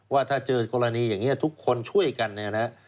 ว่าถ้าเจอกรณีอย่างนี้ทุกคนช่วยกันเนี่ยนะ